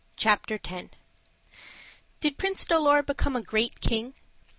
CHAPTER X Did Prince Dolar become a great king?